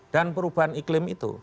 dan perubahan iklim itu